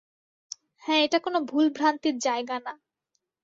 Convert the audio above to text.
হ্যাঁ এটা কোন ভুল-ভ্রান্তির জায়গা না।